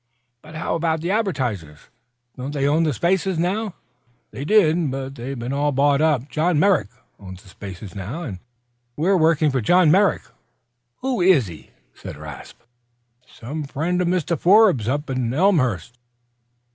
"But how about the advertisers? Don't they own the spaces now?" "They did; but they've all been bought up. John Merrick owns the spaces now, and we're working for John Merrick." "Who's he?" "Some friend of Mr. Forbes, up at Elmhurst."